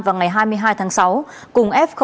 vào ngày hai mươi hai tháng sáu cùng f